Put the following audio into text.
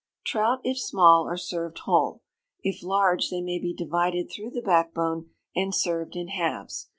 Trout, if small, are served whole; if large, they may be divided through the back bone and served in halves.